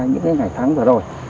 những ngày tháng vừa rồi